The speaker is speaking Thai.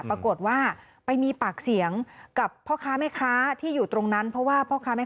ไม่ได้เวลาเย็นตัวให้